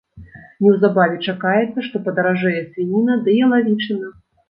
Неўзабаве чакаецца, што падаражэе свініна ды ялавічына.